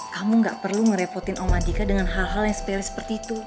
kamu gak perlu ngerepotin om madika dengan hal hal yang sepele seperti itu